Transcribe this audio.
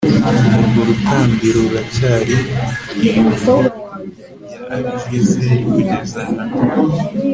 urwo rutambiro ruracyari i ofura ya abiyezeri kugeza na n'ubu